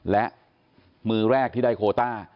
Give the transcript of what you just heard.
และมือแรกที่ได้โคต้า